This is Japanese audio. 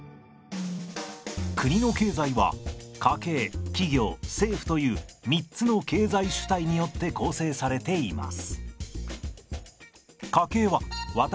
国の経済は家計企業政府という３つの経済主体によって構成されています。